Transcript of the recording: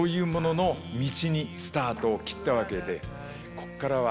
こっからは。